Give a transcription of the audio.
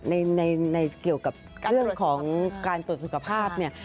ในเกี่ยวกับเรื่องของการตรวจสุขภาพเนี่ย